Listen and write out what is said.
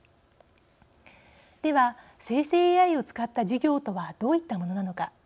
では生成ＡＩを使った授業とはどういったものなのか。